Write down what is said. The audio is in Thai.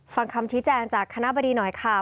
ฟังคำชี้แจงจากคณะบดีหน่อยค่ะ